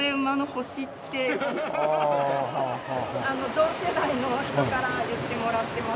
同世代の人から言ってもらってます。